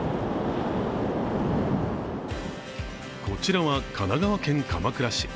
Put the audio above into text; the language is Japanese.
こちらは神奈川県鎌倉市。